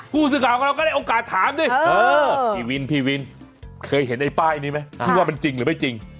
ผู้สื่อข่าวของเราก็ได้โอกาสถามดิพี่วินพี่วินเคยเห็นไอ้ป้ายนี้ไหมที่ว่ามันจริงหรือไม่จริง